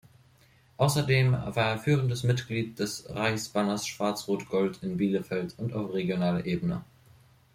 Außerdem war er führendes Mitglied des Reichsbanners Schwarz-Rot-Gold in Bielefeld und auf regionaler Ebene.